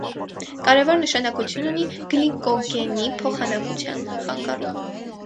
Կարևոր նշանակություն ունի գլիկոգենի փոխանակության խանգարումը։